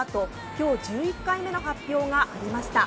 今日、１１回目の発表がありました。